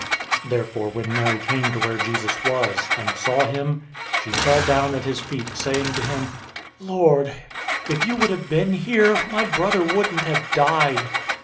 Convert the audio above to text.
011:032 Therefore when Mary came to where Jesus was, and saw him, she fell down at his feet, saying to him, "Lord, if you would have been here, my brother wouldn't have died."